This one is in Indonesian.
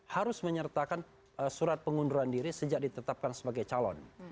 harus menyertakan surat pengunduran diri sejak ditetapkan sebagai calon